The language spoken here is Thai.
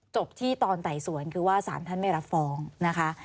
จบที่ตอนไต่สวนคือว่าสารท่านไม่รับฟ้องนะคะ